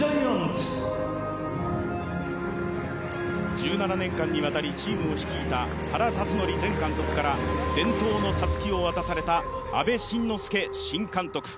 １７年間にわたりチームを率いた原辰徳前監督から伝統のたすきを渡された阿部慎之助新監督。